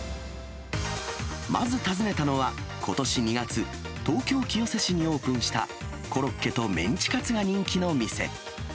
まず訪ねたのは、ことし２月、東京・清瀬市にオープンした、コロッケとメンチカツが人気の店。